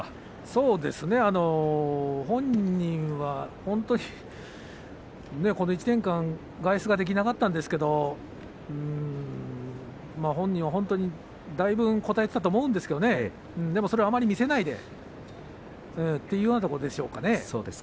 そうですね本人は本当にこの１年間、外出ができなかったんですけれど本人はだいぶこたえていたと思うんですけれどもそれをあまり見せないでというような子ですかね。